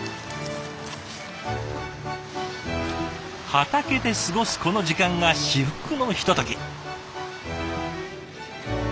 畑で過ごすこの時間が至福のひととき。